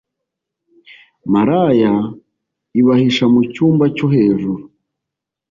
maraya ibahisha mu cyumba cyohejuru